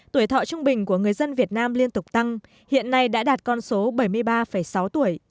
tuổi thọ trung bình của người dân việt nam liên tục tăng hiện nay đã đạt con số bảy mươi ba sáu tuổi